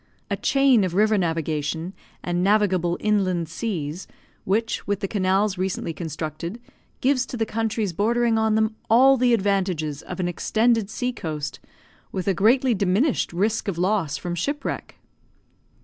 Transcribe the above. A chain of river navigation and navigable inland seas, which, with the canals recently constructed, gives to the countries bordering on them all the advantages of an extended sea coast, with a greatly diminished risk of loss from shipwreck!